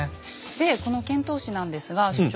でこの遣唐使なんですが所長。